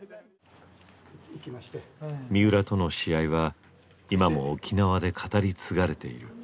三浦との試合は今も沖縄で語り継がれている。